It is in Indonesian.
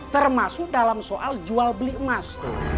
termasuk dalam soal jual beli emas